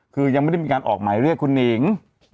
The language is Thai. คือยังไม่ได้มีการออกหมายเรียกคุณหนิง